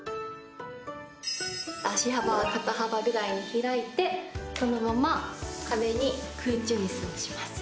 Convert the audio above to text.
足幅は肩幅ぐらいに開いてそのまま壁に空中椅子をします。